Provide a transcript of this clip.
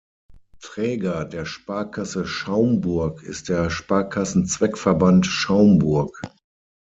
Träger der Sparkasse Schaumburg ist der "Sparkassenzweckverband Schaumburg".